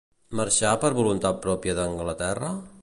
Marxà per voluntat pròpia d'Anglaterra?